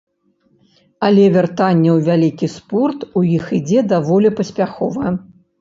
Але вяртанне ў вялікі спорт у іх ідзе даволі паспяхова.